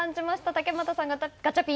竹俣さん、ガチャピン